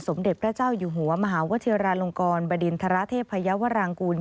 สมเด็จพระเจ้าอยู่หัวมหาวชิราลงกรบดินทรเทพยาวรางกูล